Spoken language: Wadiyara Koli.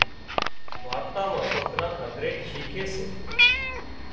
وارتا مان سوڪران هڌري شيکي سي